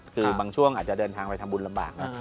คือบางช่วงอาจจะเดินทางไปทำบุญลำบากนะ